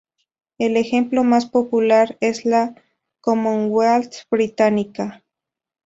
El ejemplo más popular es la Commonwealth Británica.